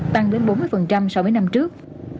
tăng đến bốn mươi so với năm trước